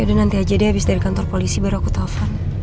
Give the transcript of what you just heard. yaudah nanti aja dia dari kantor polisi baru aku tau fan